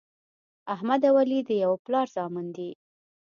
احمد او علي د یوه پلار زامن دي.